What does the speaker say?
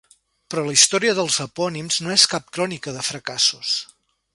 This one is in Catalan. Però la història dels epònims no és cap crònica de fracassos.